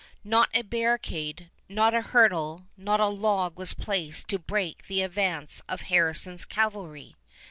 Not a barricade, not a hurdle, not a log was placed to break the advance of Harrison's cavalry.